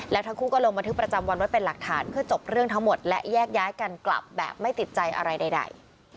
แล้วทั้งคู่ก็ลงบันทึกประจำวันไว้เป็นหลักฐานเพื่อจบเรื่องทั้งหมดและแยกย้ายกันกลับแบบไม่ติดใจอะไรใด